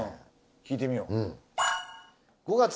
聞いてみよう。